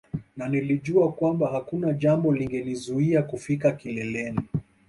Na nilijua kwamba hakuna jambo lingenizuia kufika kileleni